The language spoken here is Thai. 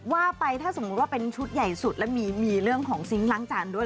ว่าไปถ้าสมมุติว่าเป็นชุดใหญ่สุดแล้วมีเรื่องของซิงค์ล้างจานด้วย